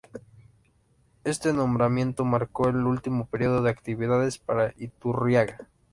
Este nombramiento marcó el último período de actividades para Iturriaga.